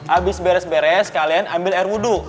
abis beres beres kalian ambil air wudhu